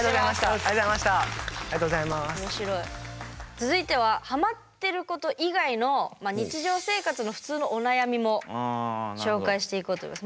続いてはハマってること以外の日常生活の普通のお悩みも紹介していこうと思います。